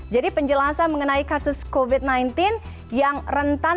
jadi penjelasan mengenai kasus covid sembilan belas yang rentan